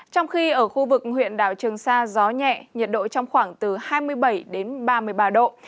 trong khi ở khu vực huyện đảo trường sa gió nhẹ nhiệt độ trong khoảng từ hai mươi bảy đến ba mươi ba độ